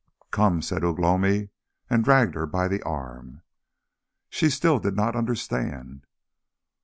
"Come!" said Ugh lomi, and dragged her by the arm. She still did not understand.